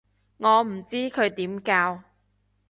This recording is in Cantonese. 我唔知佢點教